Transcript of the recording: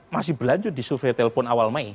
masih berlanjut di survei telpon awal mei